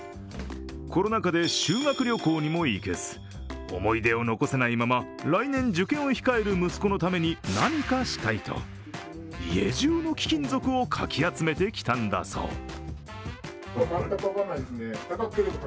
コロナ禍で修学旅行にも行けず、思い出を残せないまま来年、受験を控える息子のために何かしたいと、家じゅうの貴金属をかき集めてきたんだそう。